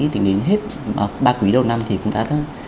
tính đến hết ba quý đầu năm thì cũng đã